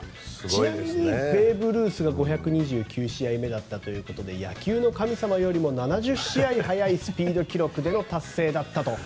ちなみにベーブ・ルースが５２９試合目だったということで野球の神様よりも７０試合早いスピード記録での達成だったと。